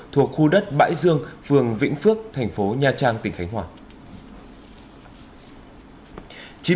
thuộc khu đất bãi dương phường vĩnh phước thành phố nha trang tỉnh khánh hòa